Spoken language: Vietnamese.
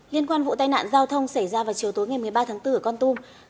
liên quan vụ tai nạn giao thông xảy ra vào chiều tối ngày một mươi ba tháng bốn ở con tum